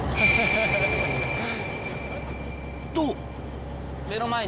と